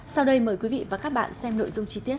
sau đây mời quý vị và các bạn xem nội dung chi tiết